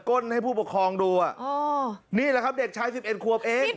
้นให้ผู้ปกครองดูอ่ะอ๋อนี่แหละครับเด็กชาย๑๑ขวบเอง